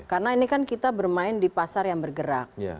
karena ini kan kita bermain di pasar yang bergerak